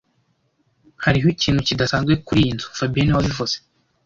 Hariho ikintu kidasanzwe kuriyi nzu fabien niwe wabivuze